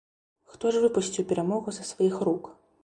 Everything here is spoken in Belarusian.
Хто ж выпусціў перамогу са сваіх рук?